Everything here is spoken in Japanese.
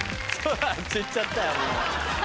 あっち行っちゃったよ。